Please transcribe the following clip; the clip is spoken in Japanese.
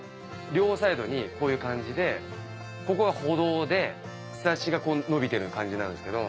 両サイドにこういう感じでここは歩道で庇がこう延びてる感じなんですけど。